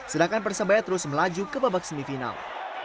sedangkan persebaya terus melaju ke babak semifinal